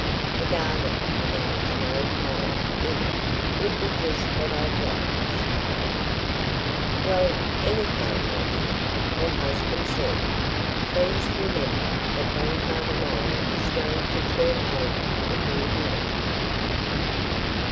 "A garden without an old mole in it would be just what I'd like," she cried. "Well, anyhow, my dear," her husband said, "please remember that Grandfather Mole is going to turn over a new leaf."